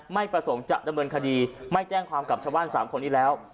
ไม่ประสงค์จะดำเนินคดีไม่แจ้งความกับชาวบ้าน๓คนนี้แล้ว